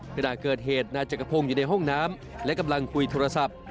ขณะเกิดเหตุนายจักรพงศ์อยู่ในห้องน้ำและกำลังคุยโทรศัพท์